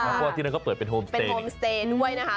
เพราะที่นั้นก็เปิดเป็นโฮมสเตยด้วยนะคะ